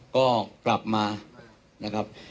ก็กลับมานะครับ